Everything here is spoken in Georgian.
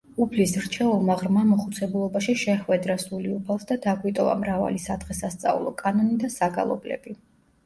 უფლის რჩეულმა ღრმა მოხუცებულობაში შეჰვედრა სული უფალს და დაგვიტოვა მრავალი სადღესასწაულო კანონი და საგალობლები.